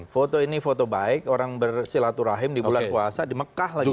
foto ini foto baik orang bersilaturahim di bulan puasa di mekah lagi